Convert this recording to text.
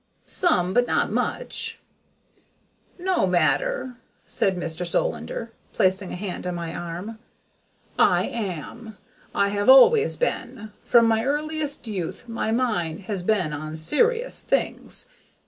Some, but not much." "No matter," said Mr. Solander, placing a hand on my arm. "I am. I have always been. From my earliest youth my mind has been on serious things.